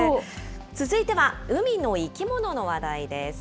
続いては海の生き物の話題です。